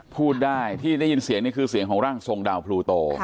พูดได้ที่ได้ยินเสียงนี่คือเสียงของร่างทรงดาวพลูโต